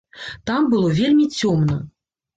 Там было вельмі цёмна.